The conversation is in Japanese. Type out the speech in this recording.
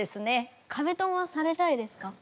壁ドンはされたいですか？